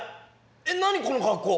えっ何この格好！？